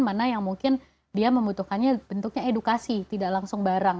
mana yang mungkin dia membutuhkannya bentuknya edukasi tidak langsung barang